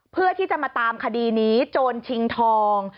เพื่อที่จะมาตามคดีนี้โจรชิงทอง